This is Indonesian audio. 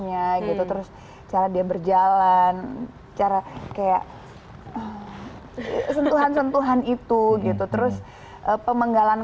nya gitu terus cara dia berjalan cara kayak sentuhan sentuhan itu gitu terus pemenggalan